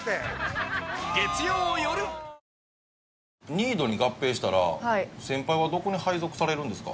ＮＩＤＯに合併したら先輩はどこに配属されるんですか？